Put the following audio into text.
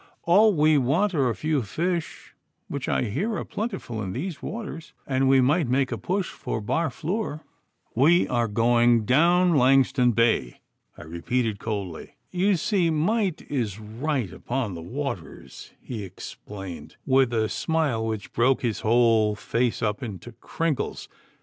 All we want are a few fish, which I hear are plentiful in these waters, and we might make a push for Barfleur.' 'We are going down Langston Bay,' I repeated coldly. 'You see might is right upon the waters,' he explained, with a smile which broke his whole face up into crinkles.